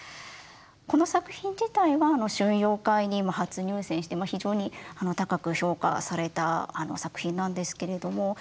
この作品自体は春陽会にも初入選して非常に高く評価された作品なんですけれども。